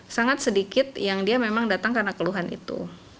sangat sedikit yang dia memang datang karena keluhan itu